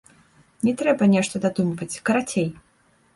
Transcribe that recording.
Не трэба нешта дадумваць, карацей.